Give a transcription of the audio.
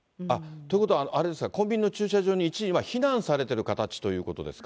ということは、コンビニの駐車場に一時、避難されている形ということですか。